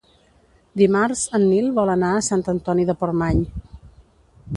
Dimarts en Nil vol anar a Sant Antoni de Portmany.